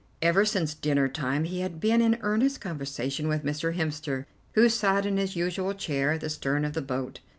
Ever since dinner time he had been in earnest conversation with Mr. Hemster, who sat in his usual chair at the stern of the boat.